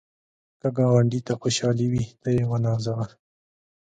که ګاونډي ته خوشحالي وي، ته یې ونازوه